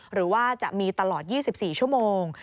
หรือว่าจะมีตลอด๒๔ชั่วโมง